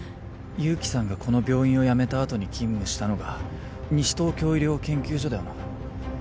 勇気さんがこの病院を辞めたあとに勤務したのが西東京医療研究所だよな？